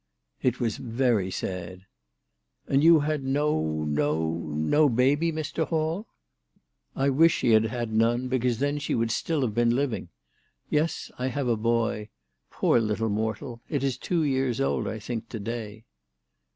" It was very sad." "And you had no, no, no baby, Mr. Hall ?"" I wish she had had none, because then she would have been still living. Yes, I have a boy. Poor little mortal ! It is two years old I think to day."